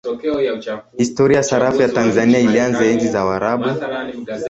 historia ya sarafu ya tanzania ilianza enzi za waarabu